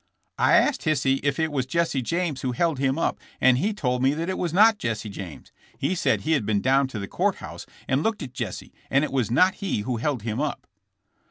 I asked Hisey if it was Jesse James who held him up and he told me that it was not Jesse James. He said he had been down to the court house and looked at Jesse, and it was not he who held him up."